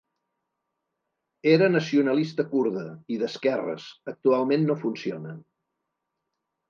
Era nacionalista kurda i d'esquerres, actualment no funciona.